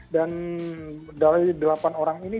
dan dari delapan orang ini